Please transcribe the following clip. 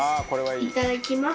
いただきます。